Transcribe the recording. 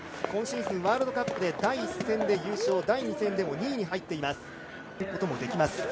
今シーズン、ワールドカップで第１戦で優勝、第２戦でも２位に入っています。